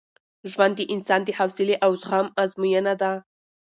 ژوند د انسان د حوصلې او زغم ازموینه ده.